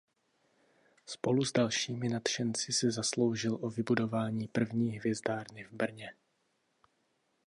Spolu s dalšími nadšenci se zasloužil o vybudování první hvězdárny v Brně.